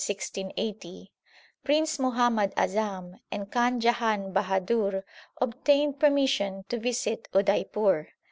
1680) Prince Muhammad Azam and Khan Jahan Bahadur obtained permission to visit Udaipur.